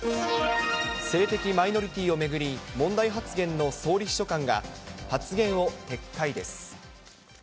性的マイノリティを巡り、問題発言の総理秘書官が、発言を撤回です。